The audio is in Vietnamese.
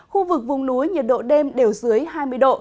khu vực vùng núi nhiệt độ đêm đều dưới hai mươi độ